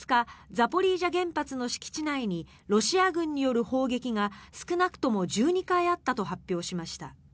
ザポリージャ原発の敷地内にロシア軍による砲撃が少なくとも１２回あったと発表しました。